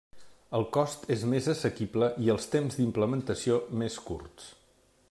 El cost és més assequible i els temps d'implementació més curts.